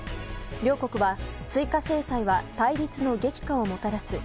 両国は、追加制裁は対立の激化をもたらす。